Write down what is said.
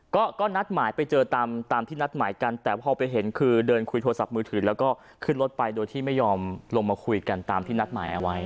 ก็นัดหมายไปเจอตามที่นัดหมายกันแต่พอไปเห็นคือเดินคุยโทรศัพท์มือถือแล้วก็ขึ้นรถไปโดยที่ไม่ยอมลงมาคุยกันตามที่นัดหมายเอาไว้